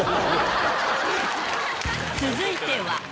続いては。